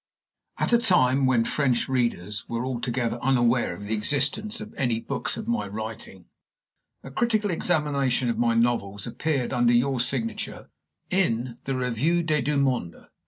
AT a time when French readers were altogether unaware of the existence of any books of my writing, a critical examination of my novels appeared under your signature in the Revue des Deux Mondes.